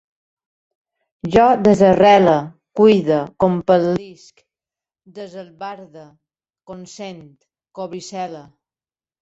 Jo desarrele, cuide, compel·lisc, desalbarde, consent, cobricele